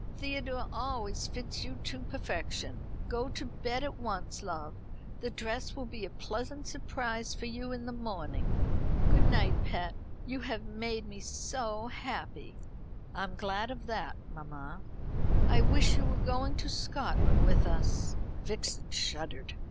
Theodore always fits you to perfection. Go to bed at once, love. The dress will be a pleasant surprise for you in the morning. Good night, pet. You have made me so happy." "I am glad of that, mamma." "I wish you were going to Scotland with us." (Vixen shuddered.)